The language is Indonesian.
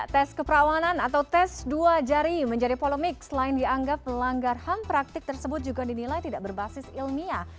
tes keperawanan atau tes dua jari menjadi polemik selain dianggap melanggar ham praktik tersebut juga dinilai tidak berbasis ilmiah